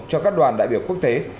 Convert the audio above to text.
cho các đoàn đại biểu quốc tế